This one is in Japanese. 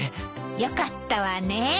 よかったわね。